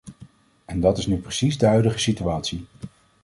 En dat is nu precies de huidige situatie!